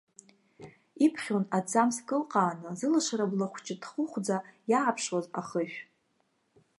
Иԥхьон аҭӡамц кылҟааны, зылашара бла хәҷы ҭхәыхәӡа иааԥшуаз ахышә.